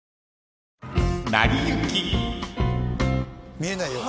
見えないように。